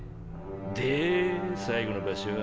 で最後の場所は。